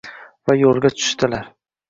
va yo'lga tushdilar.